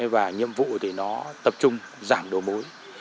và nhiệm vụ để tập trung giảm đổ mối